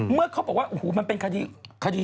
เมื่อเขาบอกว่าโอ้โหมันเป็นคดี